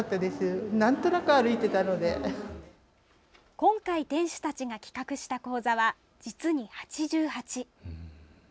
今回、店主たちが企画した講座は実に８８。